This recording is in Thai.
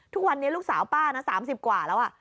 ทุกวันนี้ลูกสาวป้านะ๓๐กว่าแล้ว